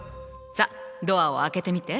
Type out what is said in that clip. さっドアを開けてみて。